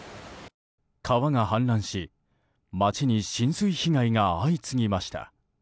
川が氾濫し街に浸水被害が相次ぎました。